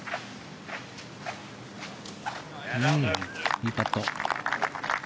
いいパット。